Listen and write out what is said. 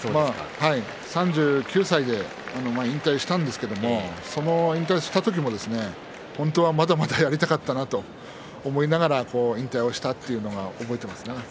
３９歳で引退したんですけれどもその引退した時も本当はまだまだやりたかったなと思いながら引退をしたというのは覚えていますね。